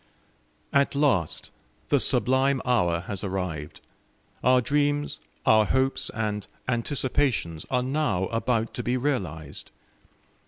At last the sublime hour has arrived; our dreams, our hopes, and anticipations are now about to be realised!